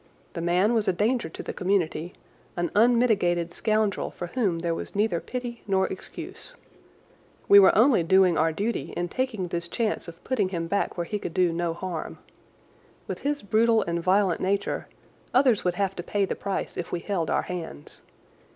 The man was a danger to the community, an unmitigated scoundrel for whom there was neither pity nor excuse. We were only doing our duty in taking this chance of putting him back where he could do no harm. With his brutal and violent nature, others would have to pay the price if we held our hands.